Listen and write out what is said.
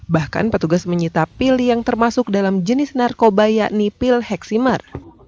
bahkan petugas menyita pil yang termasuk dalam jenis narkoba yakni pil eksimer